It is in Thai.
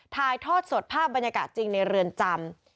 ถ่ายทอดสดภาพบรรยากาศจริงในเรือนจำ